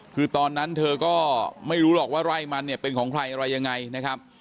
คือตอนนั้นเธอก็ไม่รู้หรอกว่าไร่มันเนี่ยเป็นของใครอะไรยังไงนะครับ